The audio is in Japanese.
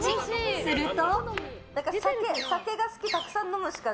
すると。